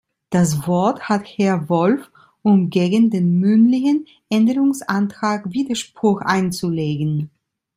Das Wort hat Herr Wolf, um gegen den mündlichen Änderungsantrag Widerspruch einzulegen.